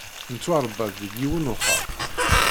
Nettwarebba-d deg yiwen uxxam